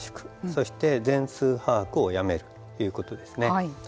そして全数把握をやめるということですね。